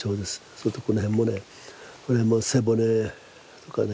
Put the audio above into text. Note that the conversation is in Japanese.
それとこの辺もねこれも背骨とかね。